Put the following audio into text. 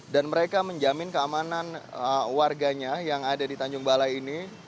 dan mereka menjamin keamanan warganya yang ada di tanjung balai ini